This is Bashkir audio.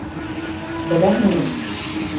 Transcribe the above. Беләһеңме...